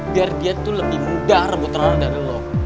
biar dia tuh lebih mudah rebut rara dari lo